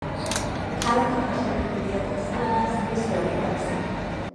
ქალაქი გაშენებულია ტასმანიის ზღვის ნაპირებზე.